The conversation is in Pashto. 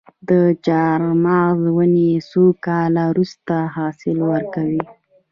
د چهارمغز ونې څو کاله وروسته حاصل ورکوي؟